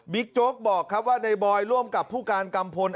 โจ๊กบอกครับว่าในบอยร่วมกับผู้การกัมพล